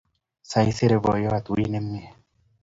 Saisere boinyot. Wiy nemyee